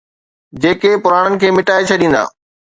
جيڪي پراڻن کي مٽائي ڇڏيندا.